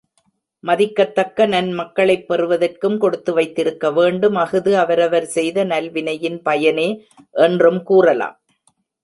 மதிக்கத்தக்க நன்மக்களைப் பெறுவதற்கும் கொடுத்து வைத்திருக்க வேண்டும் அஃது அவரவர் செய்த நல்வினையின் பயனே என்றும் கூறலாம்.